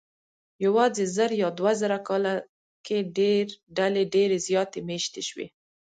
یواځې زر یا دوه زره کاله کې ډلې ډېرې زیاتې مېشتې شوې.